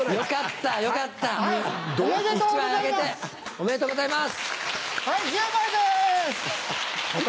おめでとうございます。